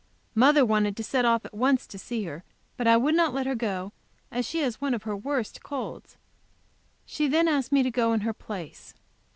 Mother wanted to set off at once to see her, but I would not let her go, as she has one of her worst colds. She then asked me to go in her place.